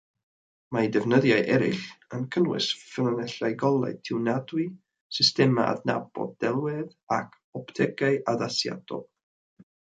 Mae defnyddiau eraill yn cynnwys ffynonellau golau tiwnadwy, systemau adnabod delwedd ac optegau addasiadol.